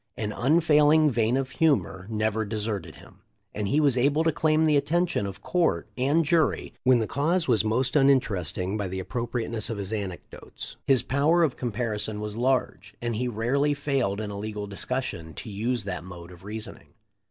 An unfailing vein of humor never deserted him, and he was able to claim the attention of court and jury when the cause was most uninteresting by the appropriateness of his anecdotes. His power of comparison was large, and he rarely failed in a legal discussion to use that mode of reasoning.